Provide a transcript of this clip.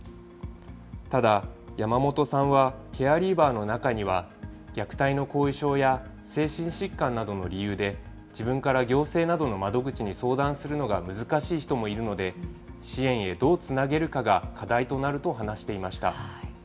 ただ、山本さんは、ケアリーバーの中には、虐待の後遺症や精神疾患などの理由で、自分から行政などの窓口に相談するのが難しい人もいるので、支援へどうつなげるかが課題となると話していました。